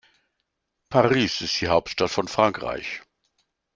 Paris ist die Hauptstadt von Frankreich.